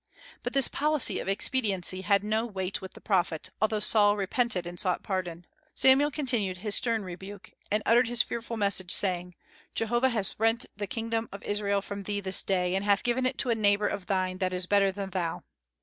But this policy of expediency had no weight with the prophet, although Saul repented and sought pardon. Samuel continued his stern rebuke, and uttered his fearful message, saying, "Jehovah hath rent the kingdom of Israel from thee this day, and hath given it to a neighbor of thine that is better than thou."